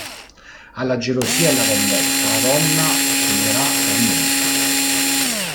Alla gelosia e alla vendetta, la donna sceglierà la rinuncia.